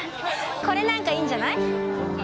これなんかいいんじゃない？